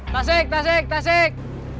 tasik tasik tasik